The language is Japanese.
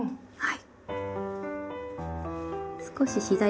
はい。